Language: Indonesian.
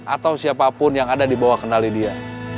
atau siapapun yang ada di bawah kenali dia